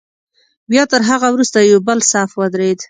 بیا تر هغه وروسته یو بل صف ودرېد.